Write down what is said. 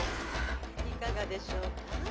いかがでしょうか？